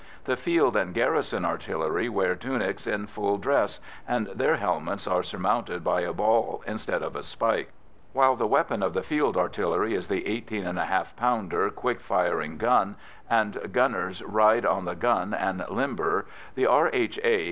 The Field and Garrison Artillery wear tunics in full dress, and their helmets are surmounted by a ball instead of a spike. While the weapon of the Field Artillery is the 18½ pounder quick firing gun, and gunners ride on the gun and limber, the R.H.A.